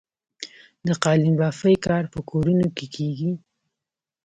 د قالینبافۍ کار په کورونو کې کیږي؟